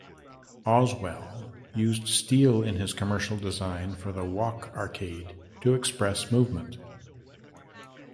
Oswell used steel in his commercial design for the Walk Arcade to express movement.